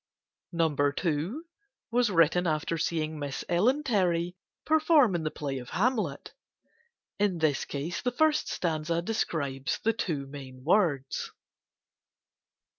No. II. was written after seeing Miss Ellen Terry perform in the play of "Hamlet." In this case the first stanza describes the two main words.